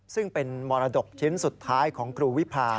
ซึ่งเป็นมรดกชิ้นสุดท้ายของครูวิพา